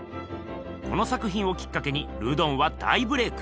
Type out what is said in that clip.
この作ひんをきっかけにルドンは大ブレーク。